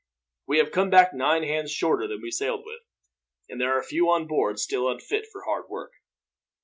"We have come back nine hands shorter than we sailed with, and there are a few on board still unfit for hard work."